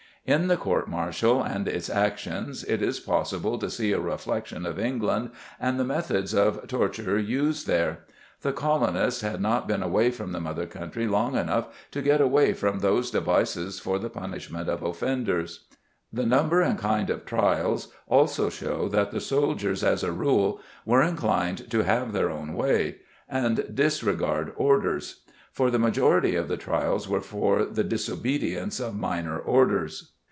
In the court martial and its actions it is possible to see a reflection of England and the methods of torture used there. The colonists had not been away from the mother country long enough to get away from those devices for the punishment of offenders. The number and kind of trials also show that the soldiers as a rule were inclined to have their own way and disregard orders for the majority of the trials were for the disobedience of minor orders.